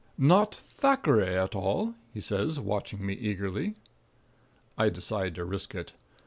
"Not Thackeray at all?" he says, watching me eagerly. I decide to risk it.